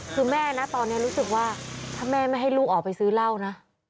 คือแม่นะตอนนี้รู้สึกว่าถ้าแม่ไม่ให้ลูกออกไปซื้อเหล้านะ